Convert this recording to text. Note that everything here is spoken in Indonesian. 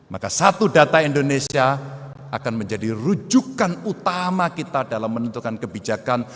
maka satu data indonesia akan menjadi rujukan utama kita dalam menentukan kebijakan